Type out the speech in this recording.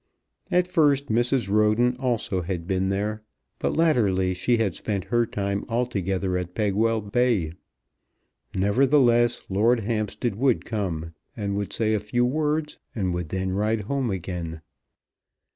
At first Mrs. Roden also had been there; but latterly she had spent her time altogether at Pegwell Bay. Nevertheless Lord Hampstead would come, and would say a few words, and would then ride home again.